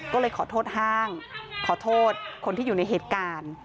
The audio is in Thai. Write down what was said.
ก็เลยขอโทษห้างขอโทษคนที่อยู่ในเหตุการณ์